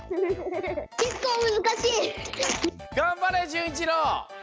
がんばれじゅんいちろう！